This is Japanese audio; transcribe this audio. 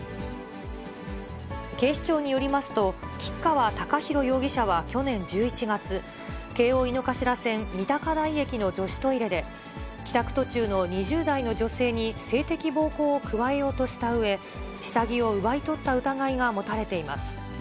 警視庁によりますと、吉川貴大容疑者は去年１１月、京王井の頭線三鷹台駅の女子トイレで、帰宅途中の２０代の女性に性的暴行を加えようとしたうえ、下着を奪い取った疑いが持たれています。